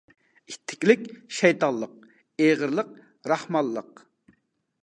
ئىتتىكلىك—شەيتانلىق، ئېغىرلىق—راھمانلىق.